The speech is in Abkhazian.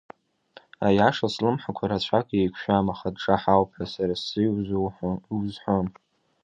Аиашаз, слымҳақәа рацәак иеиқәшәам, аха дҿаҳауп ҳәа сара сзы иузҳәом.